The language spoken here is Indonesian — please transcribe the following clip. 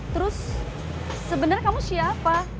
terus sebenarnya kamu siapa